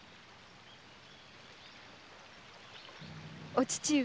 お父上。